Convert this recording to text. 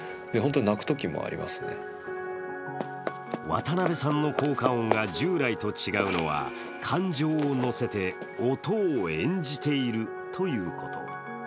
渡邊さんの効果音が従来と違うのは感情を乗せて、音を演じているということ。